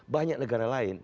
banyak negara lain mencobanya